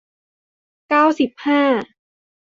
เก้าสิบห้า